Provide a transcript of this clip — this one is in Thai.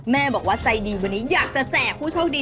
แม่บอกว่าใจดีวันนี้อยากจะแจกผู้โชคดี